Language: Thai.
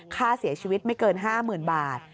ค่าเสียชีวิตไม่เกิน๕๐๐๐บาท